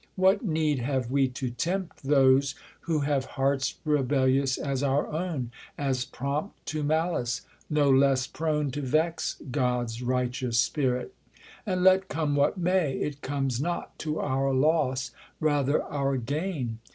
What need have we to tempt Those, who have hearts rebellious as our own, As prompt to malice, no less prone to vex God's righteous Spirit ? And let come what may, It comes not to our loss, rather our gain.